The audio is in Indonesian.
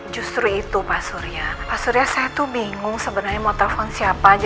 justru itu pak surya pak surya saya tuh bingung sebenarnya mau telepon siapa aja